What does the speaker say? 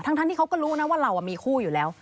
ทั้งที่เขาก็รู้นะว่าเรามีคู่อยู่แล้ว